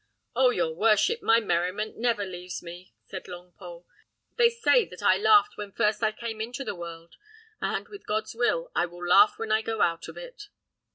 "Oh! your worship, my merriment never leaves me," said Longpole. "They say that I laughed when first I came into the world; and, with God's will, I will laugh when I go out of it.